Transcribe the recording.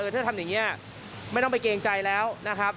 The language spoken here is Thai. ถ้าทำอย่างนี้ไม่ต้องไปเกรงใจแล้วนะครับ